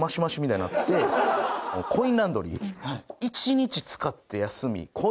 コインランドリー。